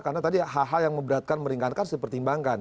karena tadi yang meberatkan meringankan harus dipertimbangkan